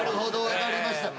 分かりました。